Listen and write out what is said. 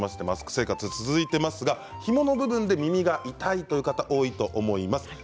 マスク生活が続いていますがひもの部分で耳が痛いという方多いと思います。